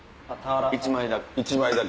１枚だけ？